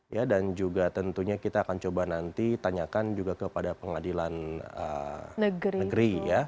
ya dan juga tentunya kita akan coba nanti tanyakan juga kepada pengadilan negeri ya